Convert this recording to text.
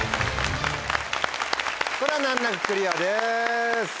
これは難なくクリアです。